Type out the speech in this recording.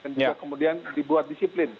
dan juga kemudian dibuat disiplin